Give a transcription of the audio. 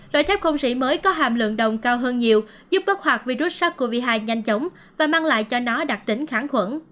loại thép không sĩ mới có hàm lượng đồng cao hơn nhiều giúp bóc hoạt virus sars cov hai nhanh chóng và mang lại cho nó đặc tính kháng khuẩn